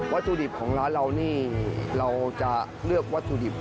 ถุดิบของร้านเรานี่เราจะเลือกวัตถุดิบ